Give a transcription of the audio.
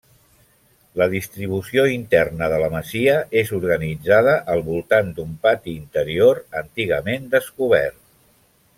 La distribució interna de la masia és organitzada al voltant d'un pati interior, antigament descobert.